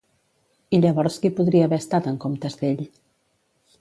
I llavors qui podria haver estat en comptes d'ell?